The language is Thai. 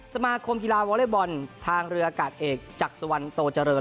สมาคมกีฬาวอเล็กบอลทางเรือกาศเอกจากสวรรค์โตเจริญเลยค่ะ